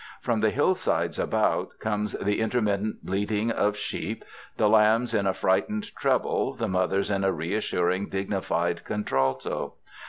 From the hillsides about comes the intermittent bleating of sheep, the lambs iu a frightened treble, the mothers in a reassuring, dignified contralto.